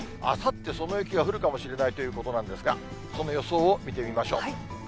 あさって、その雪が降るかもしれないということなんですが、その予想を見てみましょう。